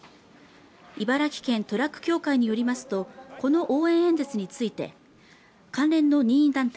茨城県トラック協会によりますと、この応援演説について関連の任意団体